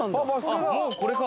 もうこれか。